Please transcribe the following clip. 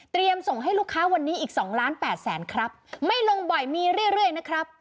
เตรียมส่งให้ลูกค้าวันนี้อีก๒ล้าน๘แสนครับไม่ลงบ่อยมีเรื่อยนะครับ